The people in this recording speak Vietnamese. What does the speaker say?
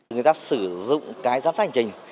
người ta sử dụng cái giám sát hành trình